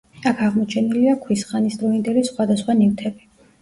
აქ აღმოაჩენილია ქვის ხანის დროინდელი სხვადასხვა ნივთები.